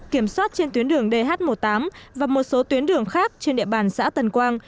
kiểm soát trên tuyến đường dh một mươi tám và một số tuyến đường khác trên địa bàn xã tần quang